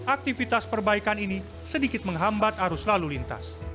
aktivitas perbaikan ini sedikit menghambat arus lalu lintas